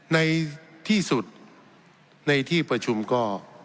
ในที่สุดในที่ประชุมก็